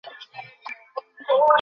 তুমি সম্পূর্ণ ভাবে এর সাথে যুক্ত ছিল।